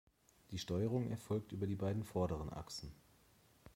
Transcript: Die Steuerung erfolgt über die beiden vorderen Achsen.